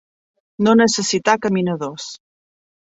No necessitar caminadors.